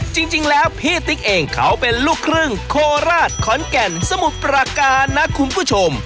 จริงแล้วพี่ติ๊กเองเขาเป็นลูกครึ่งโคราชขอนแก่นสมุทรปราการนะคุณผู้ชม